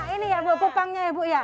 ini ya bu pupangnya ya bu ya